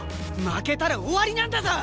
負けたら終わりなんだぞ！？